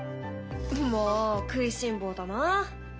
もう食いしん坊だな。